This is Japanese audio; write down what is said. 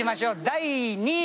・第２位。